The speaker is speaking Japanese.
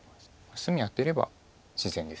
隅アテれば自然です。